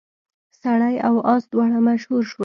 سړی او اس دواړه مشهور شول.